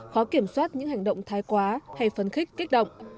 khó kiểm soát những hành động thái quá hay phấn khích kích động